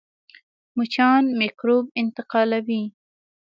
مچان میکروب انتقالوي